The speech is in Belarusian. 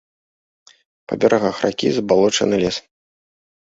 Па берагах ракі забалочаны лес.